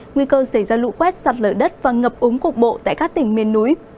nguy cơ xảy ra lụ quét sạt lở đất và ngập ống cục bộ tại các tỉnh miền núi